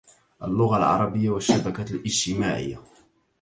اللغة العربية والشبكات الاجتماعية